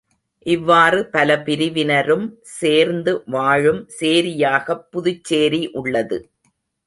இவ்வாறு பல பிரிவினரும் சேர்ந்து வாழும் சேரியாகப் புதுச்சேரி உள்ளது.